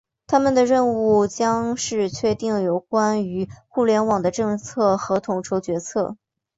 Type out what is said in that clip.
他们的任务将是确定有关于互联网的政策和统筹决策。